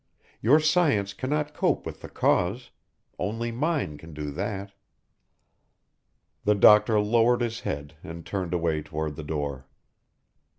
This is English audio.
Your science cannot cope with the cause only mine can do that." The doctor lowered his head and turned away toward the door.